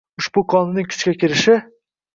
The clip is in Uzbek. Ushbu Qonunning kuchga kirishi